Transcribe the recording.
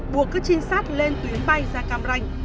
buộc các trinh sát lên tuyến bay ra cam ranh